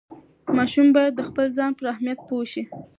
ماشوم باید د خپل ځای پر اهمیت پوه شي.